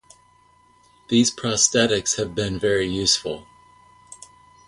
These prosthetics have been very successful.